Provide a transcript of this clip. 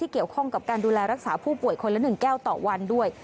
เกี่ยวข้องกับการดูแลรักษาผู้ป่วยคนละ๑แก้วต่อวันด้วย